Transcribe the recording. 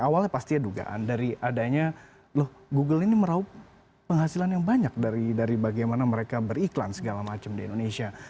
awalnya pasti dugaan dari adanya loh google ini meraup penghasilan yang banyak dari bagaimana mereka beriklan segala macam di indonesia